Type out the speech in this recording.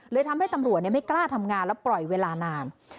ทำให้ตำรวจไม่กล้าทำงานแล้วปล่อยเวลานาน